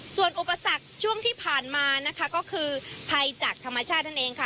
ส่วนอุปสรรคช่วงที่ผ่านมานะคะก็คือภัยจากธรรมชาตินั่นเองค่ะ